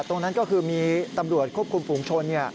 ตรงนั้นก็คือมีตำรวจควบคุมฝูงชน